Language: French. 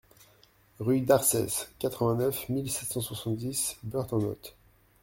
Rue d'Arces, quatre-vingt-neuf mille sept cent soixante-dix Bœurs-en-Othe